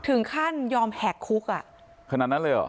ถึงขั้นยอมแหกคุกอ่ะขนาดนั้นเลยเหรอ